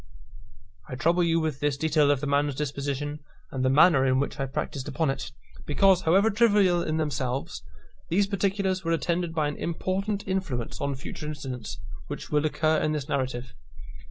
I trouble you with this detail of the man's disposition, and the manner in which I practised upon it, because, however trivial in themselves, these particulars were attended by an important influence on future incidents which will occur in this narrative.